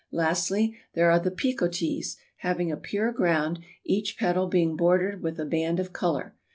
Lastly there are the picotees, having a pure ground, each petal being bordered with a band of color.